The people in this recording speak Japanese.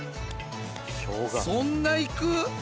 そんないく？